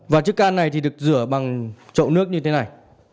và chất can này thì được rửa bằng trậu nước như thế này